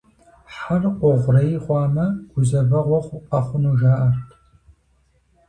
Хьэр къугърей хъуамэ, гузэвэгъуэ къэхъуну, жаӀэрт.